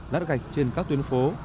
nát gạch trên các tuyến phố